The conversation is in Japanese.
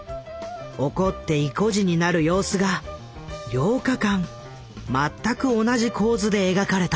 怒っていこじになる様子が８日間全く同じ構図で描かれた。